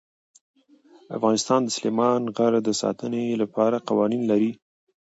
افغانستان د سلیمان غر د ساتنې لپاره قوانین لري.